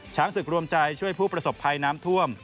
ช้างศึกรวมใจช่วยผู้ประสบภัยน้ำท่วม